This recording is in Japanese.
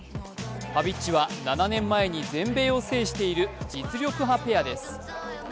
パビッチは７年前に全米を制している実力派ペアです。